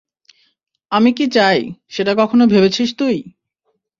আমি কী চাই, সেটা কখনো ভেবেছিস তুই?